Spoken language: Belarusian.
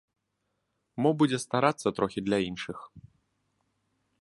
Мо будзе старацца трохі для іншых.